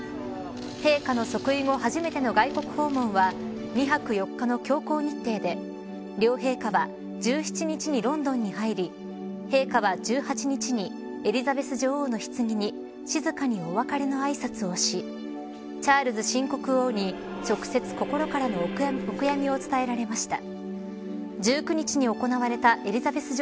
陛下の即位後初めての外国訪問は２泊４日の強行日程で両陛下は１７日にロンドンに入り陛下は１８日にエリザベス女王のひつぎに静かにお別れのあいさつをしチャールズ新国王に直接、心からのお悔みを伝えられました。